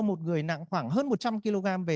một người nặng khoảng hơn một trăm linh kg về